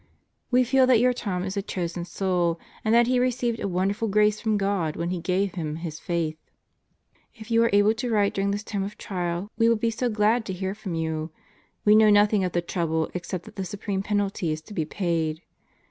We feel that your Tom is a chosen soul and that he received a wonderful grace from God when He gave him his Faith. If you are able to write during this time of trial, we would be so glad to hear from you. We know nothing of the trouble except that the supreme penalty is to be paid.